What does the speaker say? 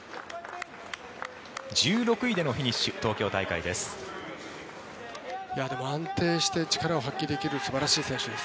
１６位でのフィニッシュ東京大会です。